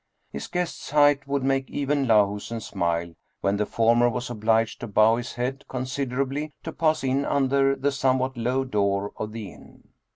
His guest's height would make even Lahusen smile, when the former was obliged to bow his head considerably to pass in under the somewhat low door of the inn.